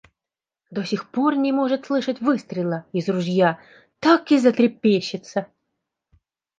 До сих пор не может слышать выстрела из ружья: так и затрепещется.